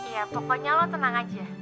ya pokoknya lo tenang aja